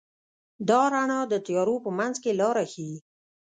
دا رڼا د تیارو په منځ کې لاره ښيي.